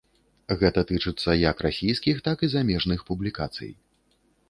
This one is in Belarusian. Гэта тычыцца як расійскіх, так і замежных публікацый.